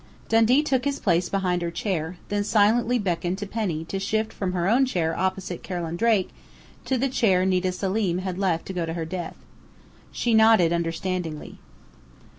Dundee took his place behind her chair, then silently beckoned to Penny to shift from her own chair opposite Carolyn Drake to the chair Nita Selim had left to go to her death. She nodded understandingly.